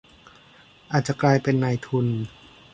อาจจะกลายเป็นนายทุน